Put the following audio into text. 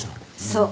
そう。